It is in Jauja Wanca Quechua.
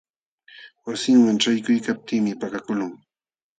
Wasinman ćhaykuykaptiimi pakakuqlun.